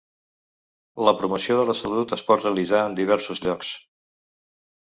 La promoció de la salut es pot realitzar en diversos llocs.